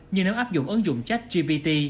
nhưng nếu áp dụng ứng dụng chat gpt